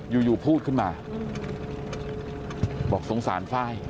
อยู่อยู่พูดขึ้นมาบอกสงสารฟ้าย